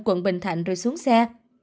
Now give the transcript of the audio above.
quận bình thạnh rơi xuống xe